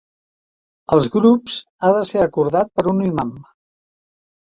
Als grups ha de ser acordat per un imam.